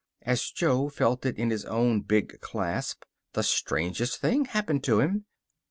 As Jo felt it in his own big clasp, the strangest thing happened to him.